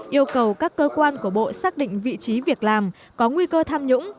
yêu cầu các cơ quan của bộ xác định vị trí việc làm có nguy cơ tham nhũng